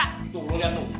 tunggu lihat tuh